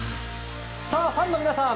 さあ、球ファンの皆さん